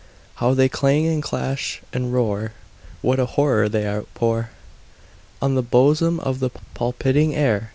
How they clang, and clash, and roar! What a horror they outpour On the bosom of the palpitating air!